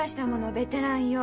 ベテランよ。